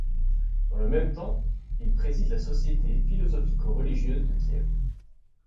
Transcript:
Dans le même temps, il préside la société philosophico-religieuse de Kiev.